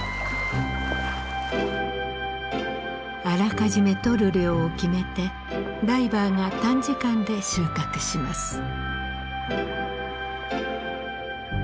あらかじめとる量を決めてダイバーが短時間で収穫します。